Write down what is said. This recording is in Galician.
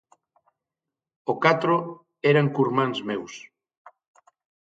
O catro eran curmáns meus.